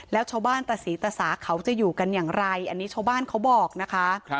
แล้วชาวบ้านตะศรีตะสาเขาจะอยู่กันอย่างไรอันนี้ชาวบ้านเขาบอกนะคะ